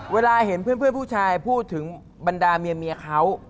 เวลาเห็นเพื่อนผู้ชายพูดถึงบรรดาเมียเขา